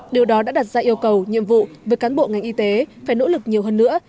điều đó đã đặt ra yêu cầu nhiệm vụ với cán bộ ngành y tế phải nỗ lực nhiều hơn nữa